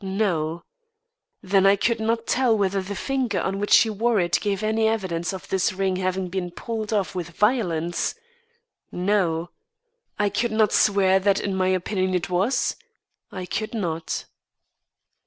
No. Then I could not tell whether the finger on which she wore it gave any evidence of this ring having been pulled off with violence? No. I could not swear that in my opinion it was? I could not.